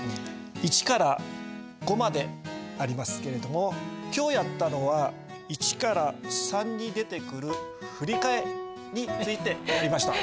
１から５までありますけれども今日やったのは１から３に出てくる「振り替え」についてやりました。